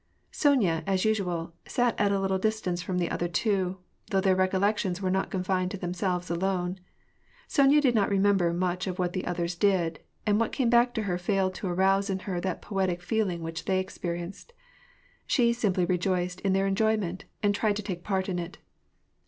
Sonya, as usual, sat at a little distance fi om the other two, though their recollections were not confined to themselves alone. Sonya did not remember much of what the others did, and what came back to her failed to arouse in her that poetic feeling which they experienced. She simply rejoiced in their enjoy ment, and jtried to take a part in it.